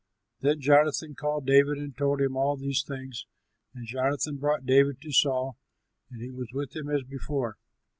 Then Jonathan called David and told him all these things. And Jonathan brought David to Saul and he was with him as before.